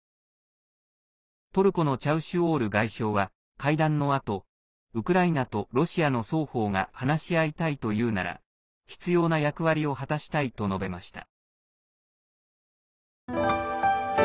トルコのチャウシュオール外相は会談のあとウクライナとロシアの双方が話し合いたいというなら必要な役割を果たしたいと述べました。